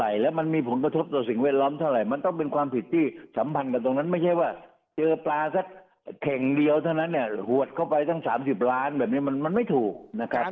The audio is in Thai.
มันมีผลกระทบต่อสิ่งแวดล้อมเท่าไหร่มันต้องเป็นความผิดที่สัมพันธ์กันตรงนั้นไม่ใช่ว่าเจอปลาสักเข่งเดียวเท่านั้นเนี่ยหวดเข้าไปตั้ง๓๐ล้านแบบนี้มันไม่ถูกนะครับ